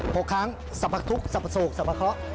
หกครั้งสรรพทุกข์สรรพสูรรค์สรรพเขา